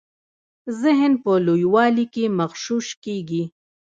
ذهن په لویوالي کي مغشوش کیږي.